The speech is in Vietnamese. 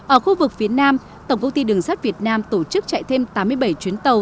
ở khu vực phía nam tổng công ty đường sắt việt nam tổ chức chạy thêm tám mươi bảy chuyến tàu